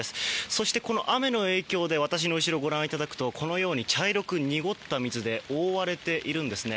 そして、この雨の影響で私の後ろをご覧いただくとこのように茶色く濁った水で覆われているんですね。